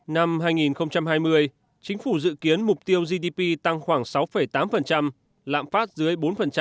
năm hai nghìn hai mươi chính phủ dự kiến mục tiêu gdp tăng khoảng sáu tám lạm phát dưới bốn